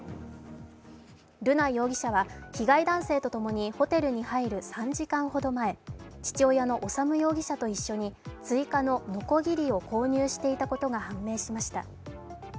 瑠奈容疑者は被害男性とともにホテルに入る３時間ほど前、父親の修容疑者と一緒に追加ののこぎりを購入していたことが判明しました。